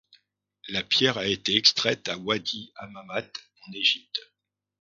La pierre a été extraite à Ouadi Hammamat, en Égypte.